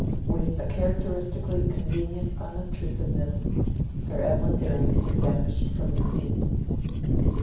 With a characteristically convenient unobtrusiveness, Sir Evelyn Baring had vanished from the scene.